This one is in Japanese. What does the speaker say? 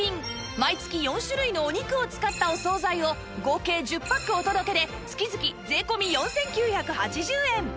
毎月４種類のお肉を使ったお惣菜を合計１０パックお届けで月々税込４９８０円